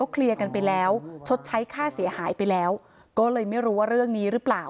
เคลียร์กันไปแล้วชดใช้ค่าเสียหายไปแล้วก็เลยไม่รู้ว่าเรื่องนี้หรือเปล่า